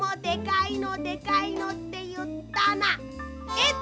えっ！